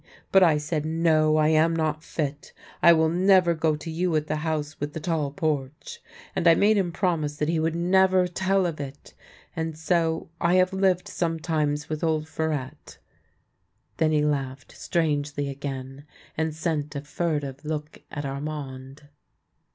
But I said, * No, I am not fit. I will never go to you at the House with the Tall Porch.' And I made him promise that he would never tell of it. And so I have lived sometimes with old Farette." Then he laughed strangely again, and sent a furtive look at Armand.